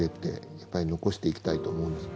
やっぱり残していきたいと思うんです